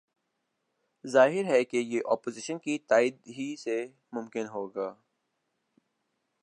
ظاہر ہے کہ یہ اپوزیشن کی تائید ہی سے ممکن ہو گا۔